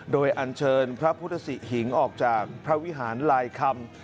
โดยอันเชิญพระพุทธศิหิงออกจากพระวิหารลายคำ